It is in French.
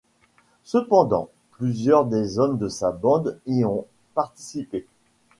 Cependant, plusieurs des hommes de sa bande y ont participé.